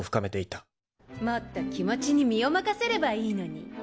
もっと気持ちに身を任せればいいのに。